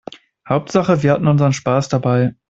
Hauptsache wir hatten unseren Spaß dabei.